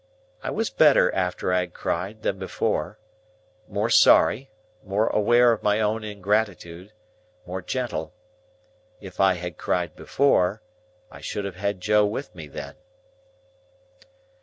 I was better after I had cried than before,—more sorry, more aware of my own ingratitude, more gentle. If I had cried before, I should have had Joe with me then.